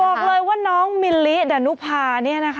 บอกเลยว่าน้องมิลลิดานุภา